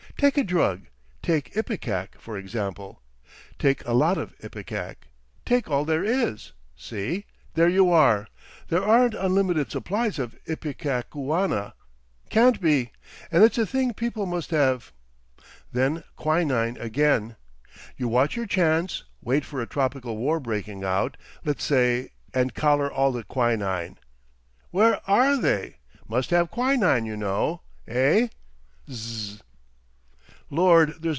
Take a drug—take ipecac, for example. Take a lot of ipecac. Take all there is! See? There you are! There aren't unlimited supplies of ipecacuanha—can't be!—and it's a thing people must have. Then quinine again! You watch your chance, wait for a tropical war breaking out, let's say, and collar all the quinine. Where ARE they? Must have quinine, you know. Eh? Zzzz.